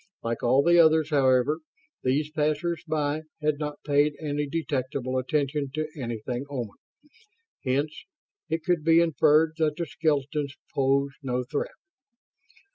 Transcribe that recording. Like all the others, however, these passers by had not paid any detectable attention to anything Oman; hence it could be inferred that the skeletons posed no threat.